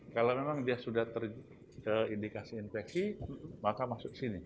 kalau memang dia sudah terindikasi infeksi maka masuk ke sini